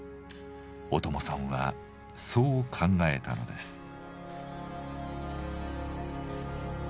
小友さんはそう考えたのです。